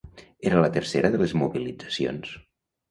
Era la tercera de les mobilitzacions.